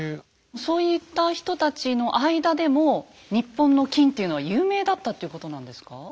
そういった人たちの間でも日本の金っていうのは有名だったっていうことなんですか？